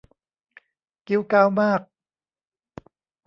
กิ๊วก๊าวมาก